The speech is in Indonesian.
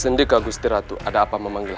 sendika gustiratu syekh guru